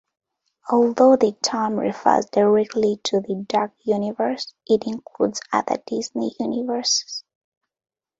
Although the term refers directly to the "Duck universe", it includes other Disney universes.